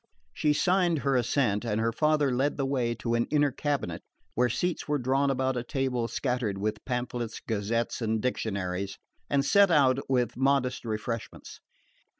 She signed her assent, and her father led the way to an inner cabinet, where seats were drawn about a table scattered with pamphlets, gazettes and dictionaries, and set out with modest refreshments.